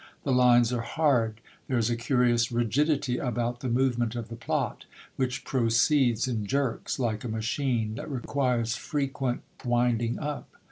The lines are hard; there is a curious rigidity about the movement of the plot which proceeds in jerks, like a machine that requires frequent winding up.